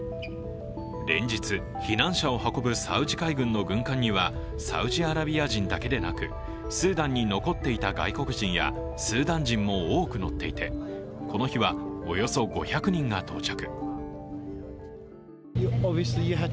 連日、避難者を運ぶサウジ海軍の軍艦にはサウジアラビア人だけでなく、スーダンに残っていた外国人やスーダン人も多く乗っていてこの日は、およそ５００人が到着。